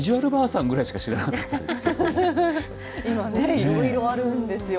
でも私今ね、いろいろあるんですよ。